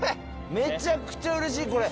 めちゃくちゃうれしい、これ。